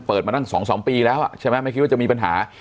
เปิดมานั่งสองสองปีแล้วอ่ะใช่ไหมไม่คิดว่าจะมีปัญหา